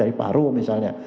dari paru misalnya